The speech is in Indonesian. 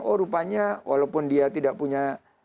oh rupanya walaupun dia tidak punya